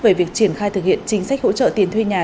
về việc triển khai thực hiện chính sách hỗ trợ tiền thuê nhà